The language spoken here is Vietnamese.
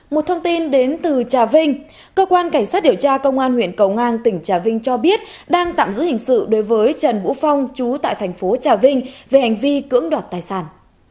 một thông tin đến từ trà vinh cơ quan cảnh sát điều tra công an huyện cầu ngang tỉnh trà vinh cho biết đang tạm giữ hình sự đối với trần vũ phong chú tại thành phố trà vinh về hành vi cưỡng đoạt tài sản